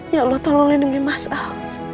ya allah tolong lindungi mas al